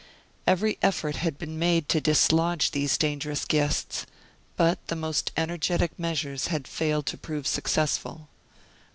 Every effort had been made to dislodge these dangerous guests, but the most energetic measures had failed to prove successful.